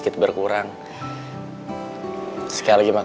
kita kesempatan sama banyak